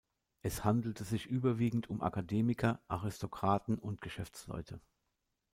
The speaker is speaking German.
Es handelte sich überwiegend um Akademiker, Aristokraten und Geschäftsleute.